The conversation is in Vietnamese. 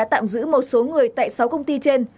tại sáu công ty trên